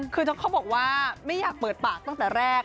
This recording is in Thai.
คือเขาบอกว่าไม่อยากเปิดปากตั้งแต่แรก